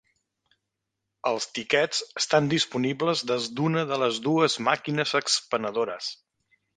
Els tiquets estan disponibles des d'una de les dues màquines expenedores.